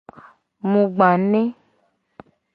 Mu gba ne.